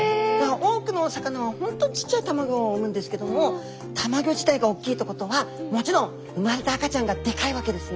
多くのお魚は本当ちっちゃい卵を産むんですけども卵自体が大きいってことはもちろん生まれた赤ちゃんがでかいわけですね。